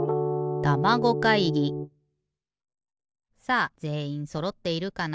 さあぜんいんそろっているかな？